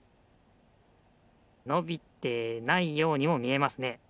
のびてないようにもみえますね。